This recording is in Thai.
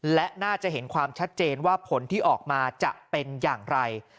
และน่าจะเห็นความชัดเจนว่าผลที่ออกมาจะเป็นอย่างไร